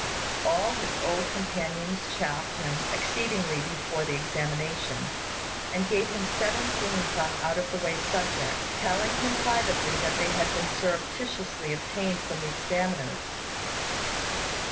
All his old companions chaffed him exceedingly before the examination, and gave him seven themes on out of the way subjects, telling him privately that they had been surreptitiously obtained from the examiners.